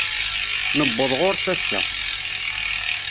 Newweḍ ɣur-s ass-a.